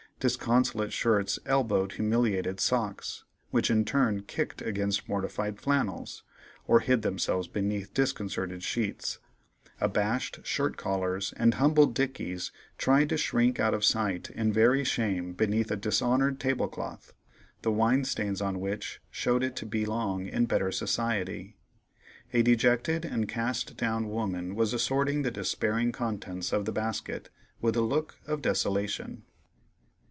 Disconsolate shirts elbowed humiliated socks, which in turn kicked against mortified flannels, or hid themselves beneath disconcerted sheets; abashed shirt collars and humbled dickies tried to shrink out of sight in very shame beneath a dishonored tablecloth, the wine stains on which showed it to belong in better society. A dejected and cast down woman was assorting the despairing contents of the basket with a look of desolation.